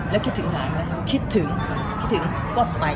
แล้วคิดถึงหลานไหมคิดถึงคิดถึงก็ไป